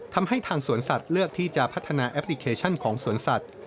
ทำให้ทางสวนสัตว์เลือกที่จะพัฒนาแอปพลิเคชันของสวนสัตว์